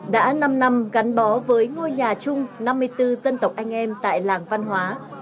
đã năm năm gắn bó với ngôi nhà chung năm mươi bốn dân tộc anh em tại làng văn hóa